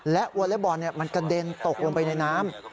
และวอเล็กบอลมันกระเด็นตกลงไปในน้ำ